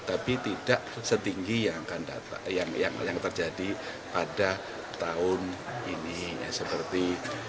tapi tidak setinggi yang akan terjadi pada tahun ini